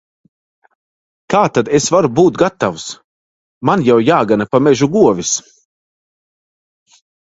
Kā tad es varu būt gatavs! Man jau jāgana pa mežu govis.